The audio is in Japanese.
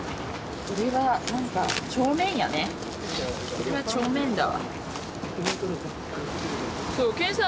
これは帳面だわ。